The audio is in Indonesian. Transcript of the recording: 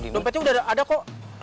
dompetnya udah ada kok